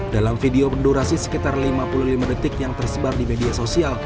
dalam video berdurasi sekitar lima puluh lima detik yang tersebar di media sosial